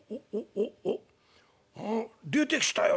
おっ出てきたよ